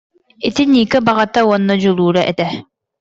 Ити Ника баҕата уонна дьулуура этэ